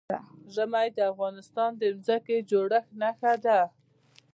ژمی د افغانستان د ځمکې د جوړښت نښه ده.